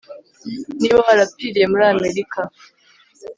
niba warapfiriye muri amerika